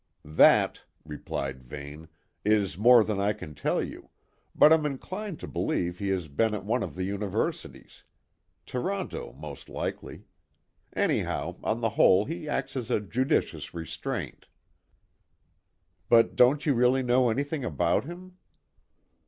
"That," replied Vane, "is more than I can tell you, but I'm inclined to believe he has been at one of the universities; Toronto, most likely. Anyhow, on the whole he acts as a judicious restraint." "But don't you really know anything about him?"